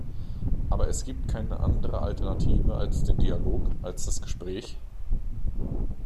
Aber es gibt keine andere Alternative als den Dialog, als das Gespräch.